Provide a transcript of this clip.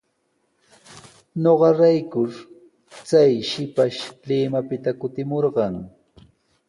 Ñuqarayku chay shipash Limapita kutimurqan.